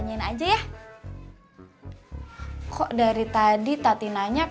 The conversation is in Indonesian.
betapa loneliness pasti banyak